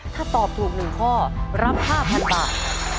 ถ้าตอบถูก๑ข้อรับ๕๐๐๐บาท